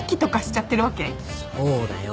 そうだよ。